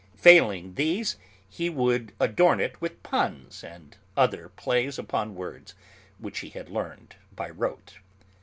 Failing these, he would adorn it with puns and other 'plays upon words' which he had learned by rote.